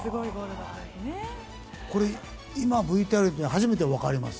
これ、今ＶＴＲを見て初めてわかります。